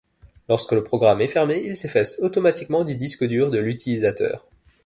Lorsque le programme est fermé, il s'efface automatiquement du disque dur de l'utilisateur.